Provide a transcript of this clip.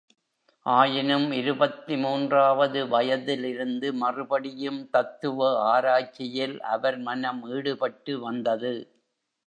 ஆயினும், இருபத்து மூன்றாவது வயதிலிருந்து மறுபடியும் தத்துவ ஆராய்ச்சியில் அவர் மனம் ஈடுபட்டு வந்தது.